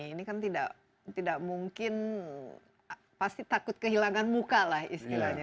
ini kan tidak mungkin pasti takut kehilangan muka lah istilahnya